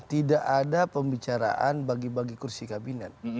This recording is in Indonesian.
tidak ada pembicaraan bagi bagi kursi kabinet